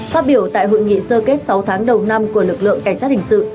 phát biểu tại hội nghị sơ kết sáu tháng đầu năm của lực lượng cảnh sát hình sự